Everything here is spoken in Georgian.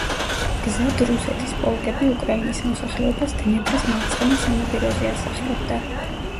გზად რუსეთის პოლკები უკრაინის მოსახლეობას დნეპრის მარცხენა სანაპიროზე ასახლებდა.